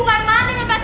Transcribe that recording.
kita bahas pansi